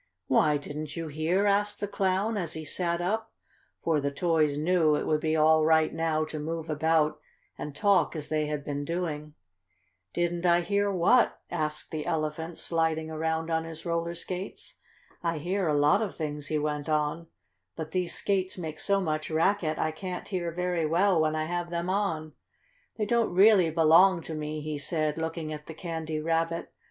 "Why, didn't you hear?" asked the Clown, as he sat up, for the toys knew it would be all right now to move about and talk as they had been doing. "Didn't I hear what?" asked the Elephant, sliding around on his roller skates. "I hear a lot of things," he went on, "but these skates make so much racket I can't hear very well when I have them on. They don't really belong to me," he said, looking at the Candy Rabbit.